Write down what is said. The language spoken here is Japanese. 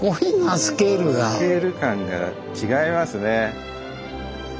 スケール感が違いますね。